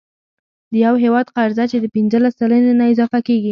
د یو هیواد قرضه چې د پنځلس سلنې نه اضافه کیږي،